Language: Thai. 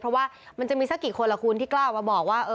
เพราะว่ามันจะมีสักกี่คนล่ะคุณที่กล้าออกมาบอกว่า